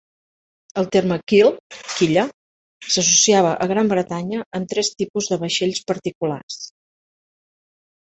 El terme "keel" (quilla) s'associava a Gran Bretanya amb tres tipus de vaixells particulars.